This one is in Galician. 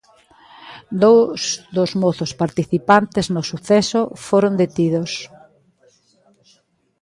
Dous dos mozos participantes no suceso foron detidos.